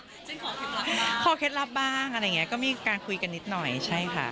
ขอเคล็ดลับขอเคล็ดลับบ้างอะไรอย่างนี้ก็มีการคุยกันนิดหน่อยใช่ค่ะ